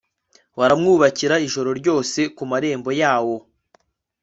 baramwubikira ijoro ryose ku marembo yawo